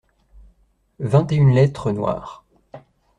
Vingt et une lettres noires.